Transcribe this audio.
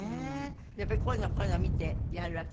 やっぱりこういうのをこういうのを見てやるわけ？